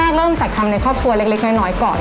เริ่มจากทำในครอบครัวเล็กน้อยก่อน